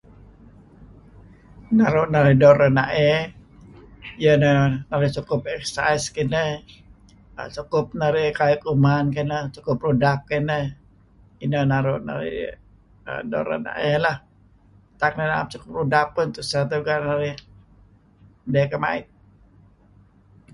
Naru' narih doo' renaey iyeh neh sukup exercise kineh sukup narih kayu' kuman kineh, sukup rudap kineh inah naru' narih uhm doo' renaey lah. Tak narih am sukup rudap pun tuseh narih may kemait.